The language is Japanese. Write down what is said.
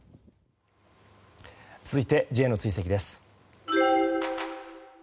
続いてＪの追跡です。